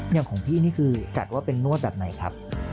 อย่างของพี่นี่คือจัดว่าเป็นนวดแบบไหนครับ